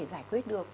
giải quyết được